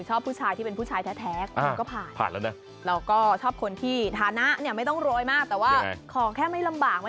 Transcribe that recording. แต่ว่าของแค่ไม่ลำบาก